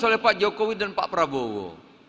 oleh pak jokowi dan pak prabowo